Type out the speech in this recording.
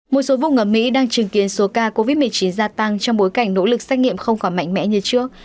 một số vùng ở mỹ đang chứng kiến số ca covid một mươi chín gia tăng trong bối cảnh nỗ lực xét nghiệm không còn mạnh mẽ như trước